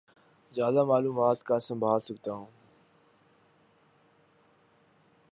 زیادہ معلومات کا سنبھال سکتا ہوں